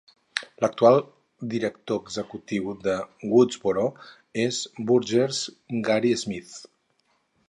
L'actual director executiu de Woodsboro és Burgess Gary Smith.